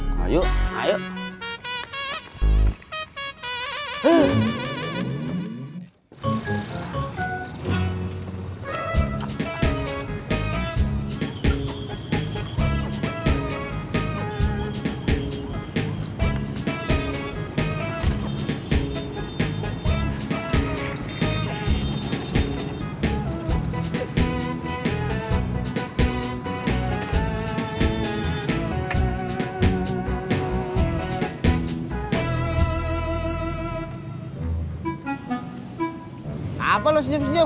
ngapain lo senyum senyum